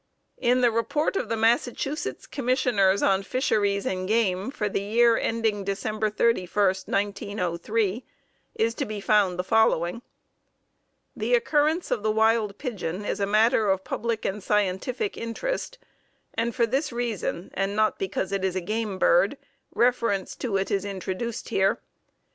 In the report of the Massachusetts commissioners on fisheries and game for the year ending December 31, 1903, is to be found the following: The occurrence of the wild pigeon is a matter of public and scientific interest, and for this reason, and not because it is a game bird, reference to it is introduced here.